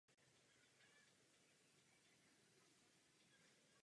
Říká se, že každá generace má svoje vlastní výzvy.